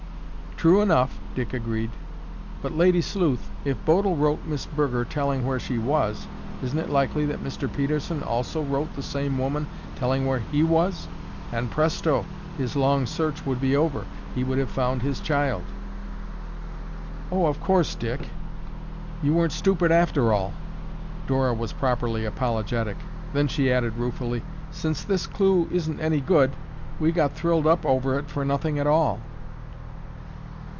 "True enough!" Dick agreed. "But, Lady Sleuth, if Bodil wrote Miss Burger telling where she was, isn't it likely that Mr. Pedersen also wrote the same woman telling where he was, and presto, his long search would be over. He would have found his child." "Oh, of course, Dick! You weren't stupid after all." Dora was properly apologetic. Then, she added ruefully, "Since this clue isn't any good, we got thrilled up over it for nothing at all."